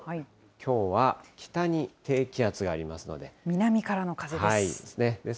きょうは北に低気圧がありますの南からの風です。